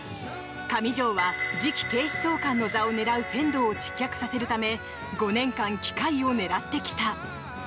上條は次期警視総監の座を狙う千堂を失脚させるため５年間、機会を狙ってきた。